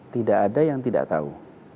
tidak ada yang tidak tahu